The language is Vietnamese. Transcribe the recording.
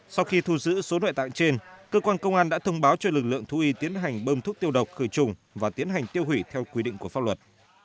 sau khi thu giữ số loại tạng trên cơ quan công an đã thông báo cho lực lượng thú y tiến hành bơm thuốc tiêu độc khởi trùng và tiến hành tiêu hủy theo quy định của pháp luật